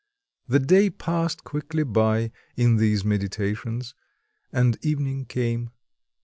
The day passed quickly by in these meditations; and evening came.